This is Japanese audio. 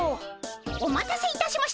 お待たせいたしました。